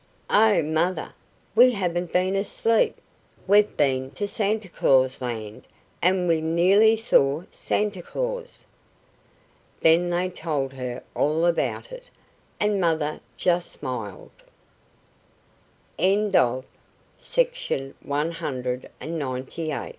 "Oh, Mother, we haven't been asleep. We've been to Santa Claus Land, and we nearly saw Santa Claus!" Then they told her all about it, and Mother just smiled. THE GREEDY BROWNIE There was o